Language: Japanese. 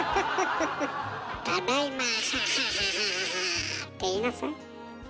「ただいまハハハハ！」って言いなさい。